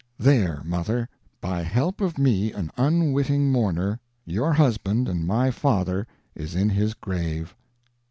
There, mother, by help of me, an unwitting mourner, your husband and my father is in his grave.